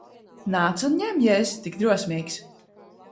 Nāc un ņem, ja esi tik drosmīgs!